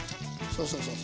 そうそう。